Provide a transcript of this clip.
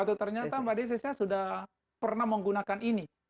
atau ternyata mbak desi saya sudah pernah menggunakan ini